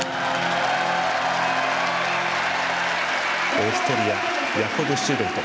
オーストリアヤコブ・シューベルト。